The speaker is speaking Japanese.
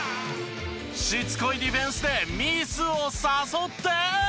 しつこいディフェンスでミスを誘って。